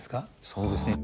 そうですね。